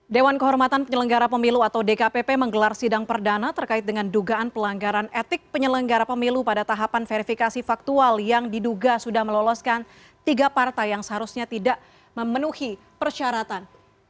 dewan kehormatan penyelenggara pemilu atau dkpp menggelar sidang perdana terkait dengan dugaan pelanggaran etik penyelenggara pemilu pada tahapan verifikasi faktual yang diduga sudah meloloskan tiga partai yang seharusnya tidak memenuhi persyaratan